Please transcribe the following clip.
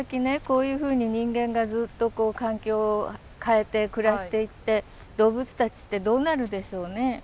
こういうふうに人間がずっとこう環境変えて暮らしていって動物たちってどうなるでしょうね？